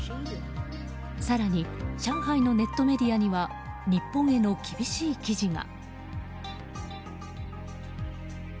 更に上海のネットメディアには日本への厳しい記事が。